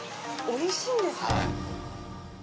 おいしいんですね。